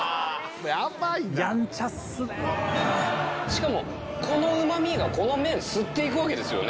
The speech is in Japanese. しかもこのうま味がこの麺吸って行くわけですよね。